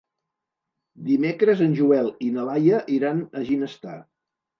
Dimecres en Joel i na Laia iran a Ginestar.